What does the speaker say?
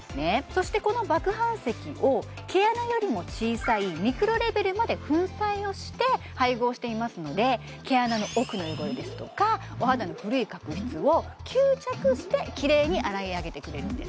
そしてこの麦飯石を毛穴よりも小さいミクロレベルまで粉砕をして配合していますので毛穴の奥の汚れですとかお肌の古い角質を吸着してキレイに洗い上げてくれるんです